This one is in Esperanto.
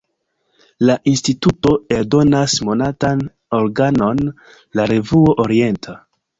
La instituto eldonas monatan organon "La Revuo Orienta".